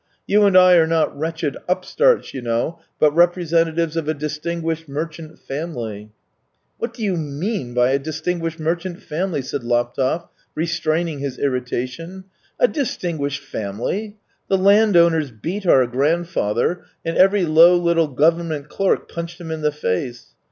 You and I are not wretched upstarts, you know, but representatives of a distinguished merchant family." " What do you mean by a distinguished family ?" said Laptev, restraining his irritation. " A distinguished family ! The landowners beat our grandfather and every low little government clerk punched him in the face.